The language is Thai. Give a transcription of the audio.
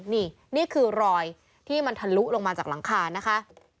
นี่นี่คือรอยที่มันทะลุลงมาจากหลังคานะคะ